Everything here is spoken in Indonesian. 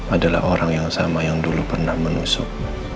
adalah orang yang sama yang dulu pernah menusuk